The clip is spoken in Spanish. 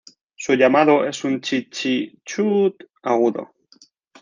Su llamado es un "tchee-tchee-tchuut" agudo.